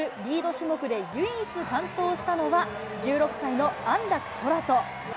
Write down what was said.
種目で唯一、完登したのは、１６歳の安楽宙斗。